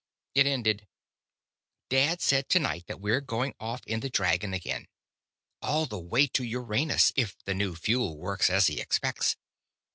It ended: "Dad said to night that we're going off in the Dragon again. All the way to Uranus, if the new fuel works as he expects.